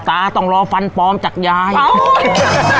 ตาต้องรอฟันปลอมจากยาย